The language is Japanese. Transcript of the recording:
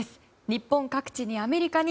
日本各地に、アメリカに。